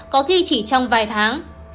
có khi chỉ trong vài tháng